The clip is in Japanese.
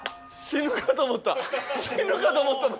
死ぬかと思ったマジで。